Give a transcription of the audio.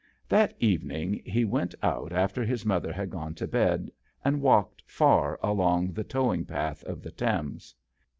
That evening he went out after his mother had gone to bed and walked far along the towing path of the Thames.